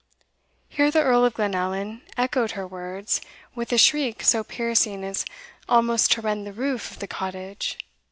'" Here the Earl of Glenallan echoed her words, with a shriek so piercing as almost to rend the roof of the cottage.